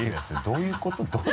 それどういうこと？